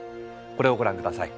これをご覧下さい。